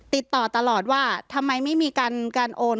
ติดต่อตลอดว่าทำไมไม่มีการโอน